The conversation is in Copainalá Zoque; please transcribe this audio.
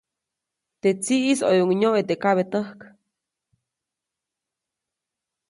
Teʼ tsiʼis ʼoyuʼuŋ nyoʼe teʼ kabetäjk.